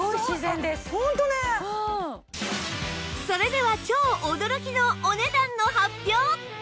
それでは超驚きのお値段の発表！